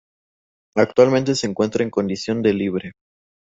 Actualmente se encuentra en condición de libre.